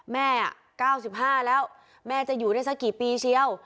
๙๕แล้วแม่จะอยู่ได้สักกี่ปีเชียว